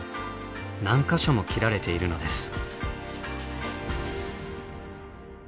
何か所も斬られているのです。